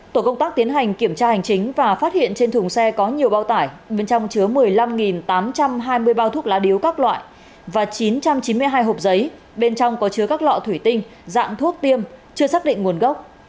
tổ công tác tiến hành kiểm tra hành chính và phát hiện trên thùng xe có nhiều bao tải bên trong chứa một mươi năm tám trăm hai mươi bao thuốc lá điếu các loại và chín trăm chín mươi hai hộp giấy bên trong có chứa các lọ thủy tinh dạng thuốc tiêm chưa xác định nguồn gốc